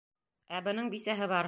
Ә бының бисәһе бар.